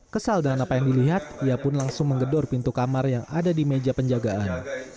kesal dengan apa yang dilihat ia pun langsung menggedor pintu kamar yang ada di meja penjagaan